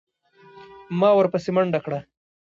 ما ورپسې منډه کړه.